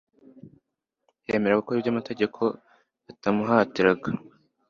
yemera gukora ibyo amategeko atamuhatiraga.